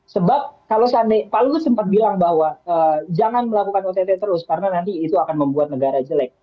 sebab kalau pak luhut sempat bilang bahwa jangan melakukan ott terus karena nanti itu akan membuat negara jelek